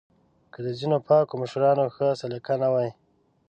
که د ځینو پاکو مشرانو ښه سلیقه نه وای